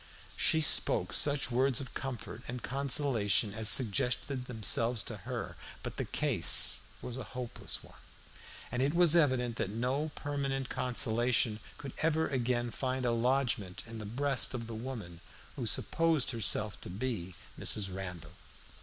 She spoke such words of comfort and consolation as suggested themselves to her, but the case was a hopeless one, and it was evident that no permanent consolation could ever again find a lodgment in the breast of the woman who supposed herself to be Mrs. Randall.